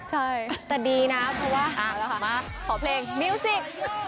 ใช่แต่ดีนะเพราะว่ามาขอเพลงมิวสิก